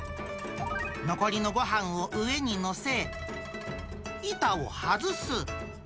残りのごはんを上に載せ、板を外す。